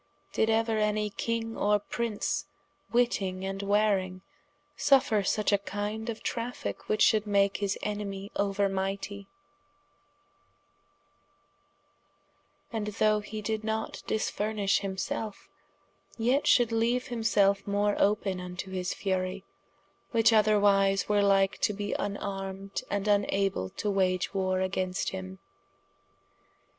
Did euer any king or Prince witting and waring, suffer such a kinde of trafike which should make his enemie ouer mightie, and though hee did not disfurnish himselfe, yet shoulde leaue himselfe more open vnto his furie, which otherwise were like to be vnarmed and vnable to wage warre against him?